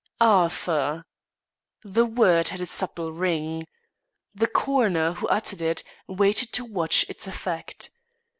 "Arthur!" The word had a subtle ring. The coroner, who uttered it, waited to watch its effect.